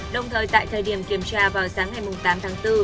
đồng thời tại thời điểm kiểm tra vào sáng hai mươi tám tháng bốn